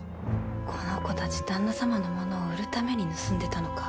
この子たち旦那様の物を売るために盗んでたのか。